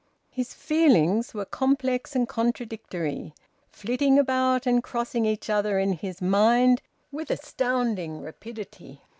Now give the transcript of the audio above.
His feelings were complex and contradictory, flitting about and crossing each other in his mind with astounding rapidity.